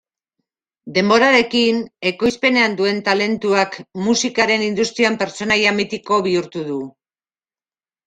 Denborarekin, ekoizpenean duen talentuak musikaren industrian pertsonaia mitiko bihurtu du.